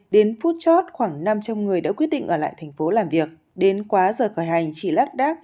đến phút chót khoảng năm trăm linh người đã quyết định ở lại thành phố làm việc